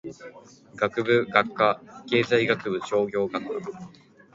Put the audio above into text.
学部・学科経済学部商業学科